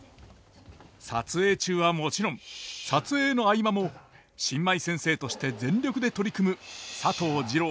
撮影中はもちろん撮影の合間も新米先生として全力で取り組む佐藤二朗さんでした。